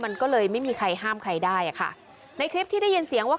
มันก็เลยไม่มีใครห้ามใครได้อ่ะค่ะในคลิปที่ได้ยินเสียงว่า